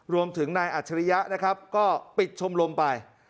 รวมถึงนายอัจฉริยะก็ปิดชมรมไป